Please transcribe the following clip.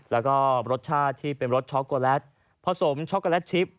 แล้วก็รสชาติที่เป็นรสช็อกโกแลตผสมช็อกโกแลตชิป